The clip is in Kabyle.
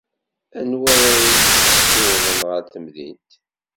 Anwa ara iyi-issiwḍen ɣer temdint?